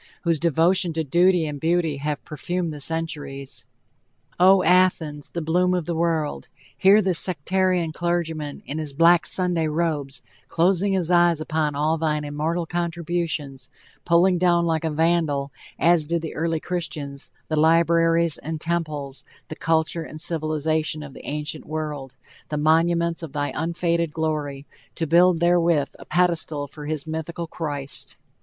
whose devotion to duty and beauty have perfumed the centuries! O, Athens, the bloom of the world! Hear this sectarian clergyman, in his black Sunday robes, closing his eyes upon all thine immortal contributions, pulling down like a vandal, as did the early Christians, the libraries and temples, the culture and civilization of the ancient world the monuments of thy unfading glory to build therewith a pedestal for his mythical Christ!